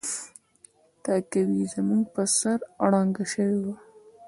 تهکوي زموږ په سر ړنګه شوې وه